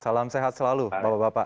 salam sehat selalu bapak bapak